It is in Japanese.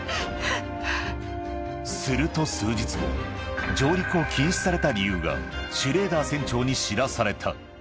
すると数日後、上陸を禁止された理由がシュレーダー船長に知らされた。